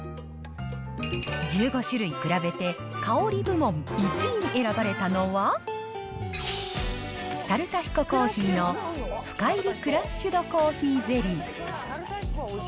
１５種類比べて、香り部門１位に選ばれたのは、猿田彦珈琲の深煎りクラッシュドコーヒーゼリー。